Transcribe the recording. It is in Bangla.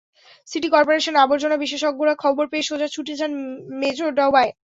সিটি করপোরেশনের আবর্জনা বিশেষজ্ঞরা খবর পেয়ে সোজা ছুটে যান মেঝো ডোবায়।